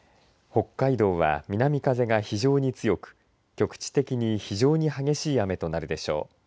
北海道は南風が非常に強く局地的に非常に激しい雨となるでしょう。